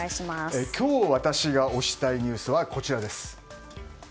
今日、私が推したいニュースはこちらです。